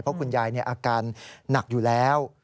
เพราะคุณยายอาการหนักอยู่แล้ว